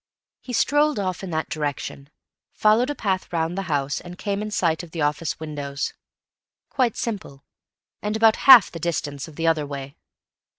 He strolled off in that direction, followed a path round the house and came in sight of the office windows. Quite simple, and about half the distance of the other way.